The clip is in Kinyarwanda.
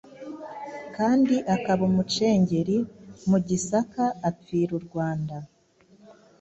kandi akaba umucengeli mu Gisaka apfira u Rwanda